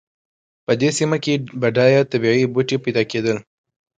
په دې سیمه کې بډایه طبیعي بوټي پیدا کېدل.